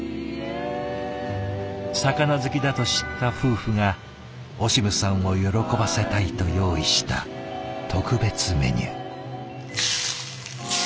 魚好きだと知った夫婦がオシムさんを喜ばせたいと用意した特別メニュー。